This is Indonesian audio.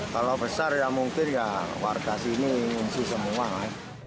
kalau besar ya mungkir ya warga sini ngunci semua lah